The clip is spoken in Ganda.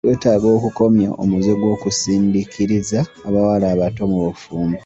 Twetaaga okukomya omuze gw'okusindiikiriza abawala abato mu bufumbo.